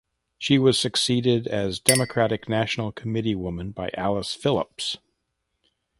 She was succeeded as Democratic national committeewoman by Alice Phillips.